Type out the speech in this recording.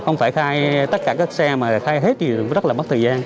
không phải khai tất cả các xe mà khai hết thì rất là mất thời gian